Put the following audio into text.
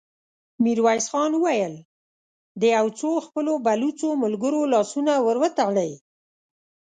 ميرويس خان وويل: د يو څو خپلو بلوڅو ملګرو لاسونه ور وتړئ!